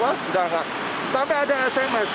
wah sudah enggak sampai ada sms